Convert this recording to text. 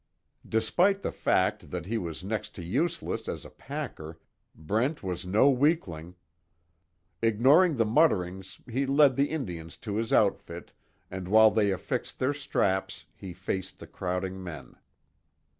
Despite the fact that he was next to useless as a packer Brent was no weakling. Ignoring the mutterings he led the Indians to his outfit and while they affixed their straps, he faced the crowding men.